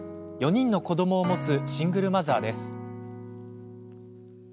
４人の子どもを持つシングルマザーです。